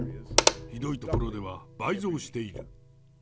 ひどい所では倍増している。